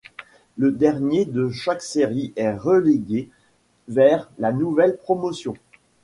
Le dernier de chaque série est relégué vers la nouvelle Promotion.